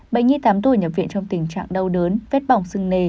bệnh nhân tám tuổi nhập viện trong tình trạng đau đớn vết bỏng xưng nề